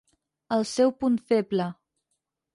El seu punt feble.